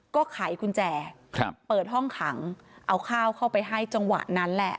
ก็ไขกุญแจเปิดห้องขังเอาข้าวเข้าไปให้จังหวะนั้นแหละ